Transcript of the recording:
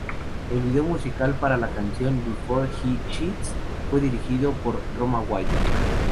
El video musical para la canción "Before He Cheats" fue dirigido por Roma White.